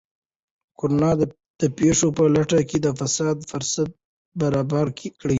کرونا د پیسو په لټه کې د فساد فرصت برابر کړی.